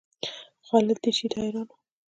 خالد یې دې شي ته حیران و.